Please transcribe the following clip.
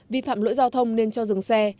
vi phạm lỗi giao thông nên cho dừng xe